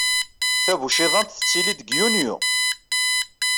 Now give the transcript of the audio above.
Tabuciḍant tettili-d di yunyu.